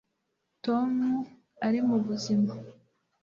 Tom ari mubuzima